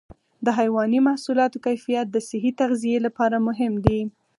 د حيواني محصولاتو کیفیت د صحي تغذیې لپاره مهم دی.